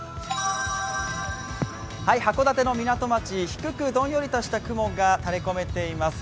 函館の港町、低くどんよりとした雲が垂れ込めています。